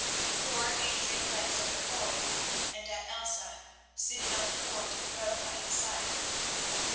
Poor Adrian glanced up at Foy and at Elsa sitting on the thwart of the boat by his side.